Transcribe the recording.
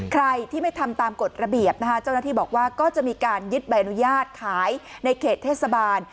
ใครที่ไม่ทำตามกฎระเบียบนะคะเจ้าหน้าที่บอกว่าก็จะมีการยึดใบอนุญาตขายในเขตเทศบาล